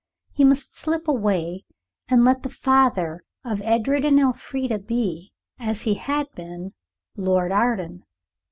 He must slip away, and let the father of Edred and Elfrida be, as he had been, Lord Arden.